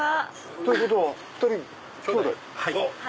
ということは２人きょうだい！